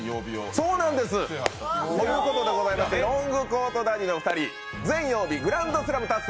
そういうことでございましてロングコートダディのお二人、全曜日グランドスラム達成